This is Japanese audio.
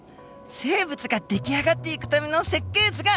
生物が出来上がっていくための設計図がＤＮＡ！